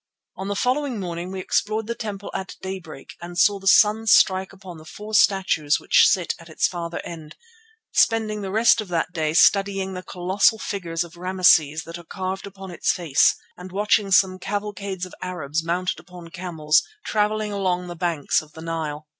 On the following morning we explored the temple at daybreak and saw the sun strike upon the four statues which sit at its farther end, spending the rest of that day studying the colossal figures of Rameses that are carved upon its face and watching some cavalcades of Arabs mounted upon camels travelling along the banks of the Nile.